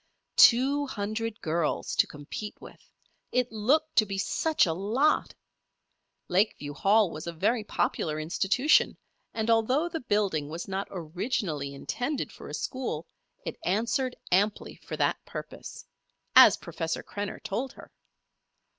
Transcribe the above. Two hundred girls to compete with! It looked to be such a lot! Lakeview Hall was a very popular institution, and although the building was not originally intended for a school, it answered amply for that purpose as Professor Krenner told her.